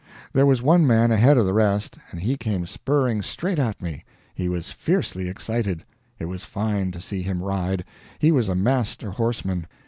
There was one man ahead of the rest, and he came spurring straight at me. He was fiercely excited. It was fine to see him ride; he was a master horseman.